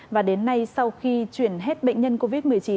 và đến nay sau khi chuyển hết bệnh nhân covid một mươi chín